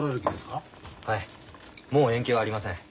はいもう延期はありません。